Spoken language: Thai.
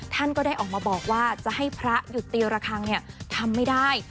ท่านก็ได้ออกมาบอกว่าจะให้พระหยุดตีระคังทำไม่ได้